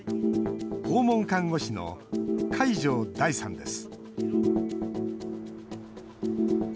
訪問看護師の海上大さんです